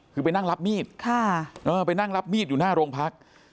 คือไปนั่งรับมีดไปนั่งรับมีดอยู่หน้าโรงพักษณ์ค่ะเออไปนั่งรับมีดอยู่หน้าโรงพักษณ์